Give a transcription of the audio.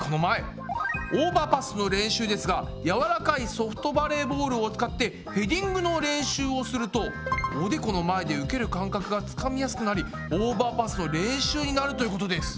オーバーパスの練習ですがやわらかいソフトバレーボールを使ってヘディングの練習をするとおでこの前で受ける感覚がつかみやすくなりオーバーパスの練習になるということです。